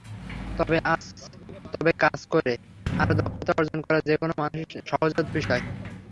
তবে কাজ করে করে আরও দক্ষতা অর্জন করা যেকোনো মানুষের সহজাত বিষয়।